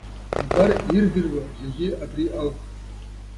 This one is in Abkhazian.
Абар ирдыруа зегьы абри ауп.